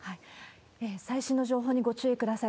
最新の情報にご注意ください。